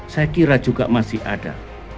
saya kira juga masih ada